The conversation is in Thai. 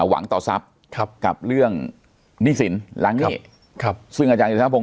หวังต่อทรัพย์ครับกับเรื่องนิสินล้างเงตครับซึ่งอาจารย์อยู่ทางพรง